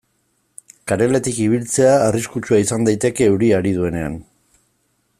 Kareletik ibiltzea arriskutsua izan daiteke euria ari duenean.